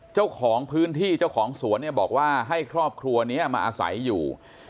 เจ้าของพื้นที่เจ้าของสวนเนี่ยบอกว่าให้ครอบครัวนี้มาอาศัยอยู่